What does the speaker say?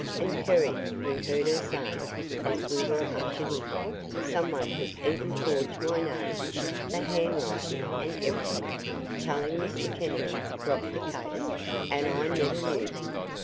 "And, Perry," we heard her say, as we were ushered in, "someone has even forged my name the handwriting and everything telling Mr. Kennedy to drop the case and I never knew."